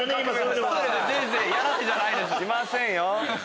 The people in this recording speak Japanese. しませんよ。